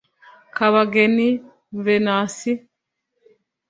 Kabageni Venantie